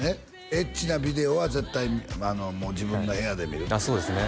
エッチなビデオは絶対自分の部屋で見るっていうそうですね